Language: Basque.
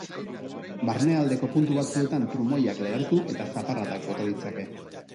Barnealdeko puntu batzuetan trumoiak lehertu eta zaparradak bota ditzake.